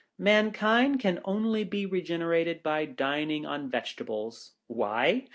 Mankind can only be regenerated by dining on Vegetables. Why ?